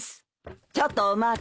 ちょっとお待ち。